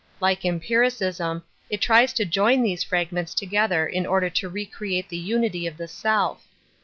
Like empiricism, it tries to join these fragments together in ■order to re create the unity of the self.